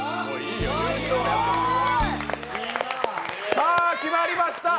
さあ決まりました！